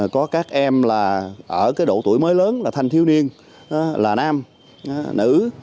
có các em là ở độ tuổi mới lớn là thanh thiếu niên là nam nữ